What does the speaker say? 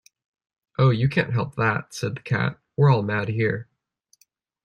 ‘Oh, you can’t help that,’ said the Cat: ‘we’re all mad here’.